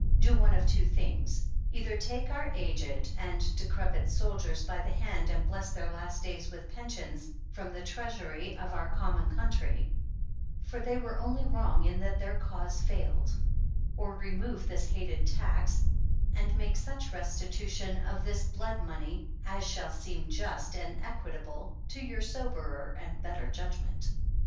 Do one of two things : Either take our aged and de crepit soldiers by the hand and bless their last days with pensions from the treasury of our common country, for they were only wrong in that their cause failed, or remove this hated tax and make such resti tution of this blood money as shall seem just and equitable to your soberer and better judgment."